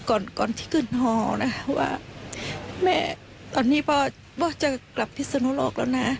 ก่อนก่อนที่ขึ้นหอนะว่าแม่ตอนนี้พ่อจะกลับพิศนุโลกแล้วนะ